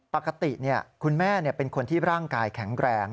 ปกติคุณแม่เป็นคนที่ร่างกายแข็งแรง